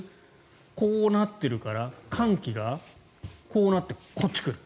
こうなっているから寒気がこうなってこっちに来る。